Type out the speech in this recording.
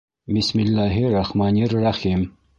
Бисмиллаһир-рахманир-рәхим...